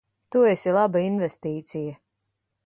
Tu esi laba investīcija.